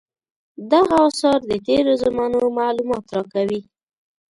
دغه اثار د تېرو زمانو معلومات راکوي.